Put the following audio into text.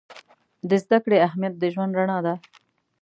د زده کړې اهمیت د ژوند رڼا ده.